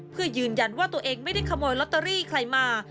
เพื่อยืนยันว่าตัวเองไม่ได้ขโมยลอตเตอรี่ใครมา